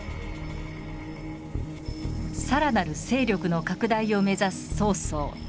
更なる勢力の拡大を目指す曹操。